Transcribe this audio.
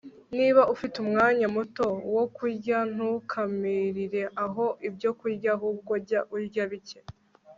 niba ufite umwanya muto wo kurya, ntukamirire aho ibyokurya, ahubwo jya urya bike